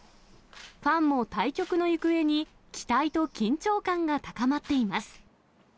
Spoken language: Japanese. ファンも対局の行方に期待と緊張感が高まっています。